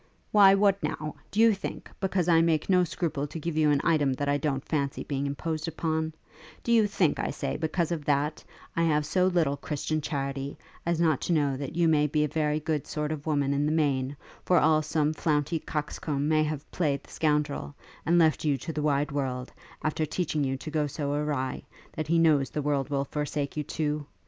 'Why, what now? do you think, because I make no scruple to give you an item that I don't fancy being imposed upon; do you think, I say, because of that, I have so little Christian charity, as not to know that you may be a very good sort of woman in the main, for all some flaunty coxcomb may have played the scoundrel, and left you to the wide world, after teaching you to go so awry, that he knows the world will forsake you too?